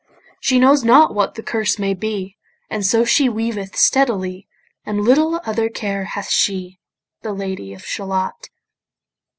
She knows not what the curse may be, And so she weaveth steadily, And little other care hath she, The Lady of Shalott.